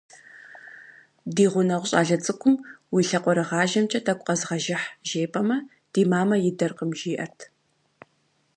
Ди гъунэгъу щӏалэ цӏыкӏум «уи лъакъуэрыгъажэмкӏэ тӏэкӏу къэзгъэжыхь» жепӏэмэ, «ди мамэ идэркъым» жиӏэрт.